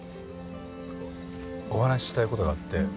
お話ししたい事があって。